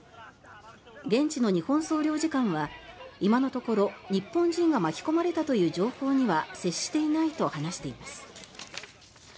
現地の日本総領事館は今のところ、日本人が巻き込まれたという情報には接していないと話しています。